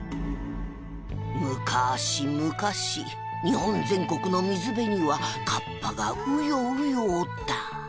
むかしむかし日本全国の水辺には河童がうようよおった